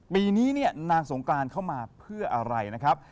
ปีนี้นางสงการเข้ามาเพื่ออะไรนะครับ